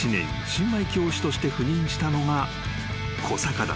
新米教師として赴任したのが小坂だった］